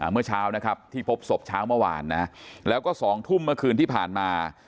เมื่อเช้านะครับที่พบศพเช้าเมื่อวานนะแล้วก็๒ทุ่มเมื่อคืนที่ผ่านมา